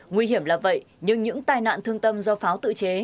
nguy hiểm là vậy nhưng những tai nạn thương tâm do pháo tự chế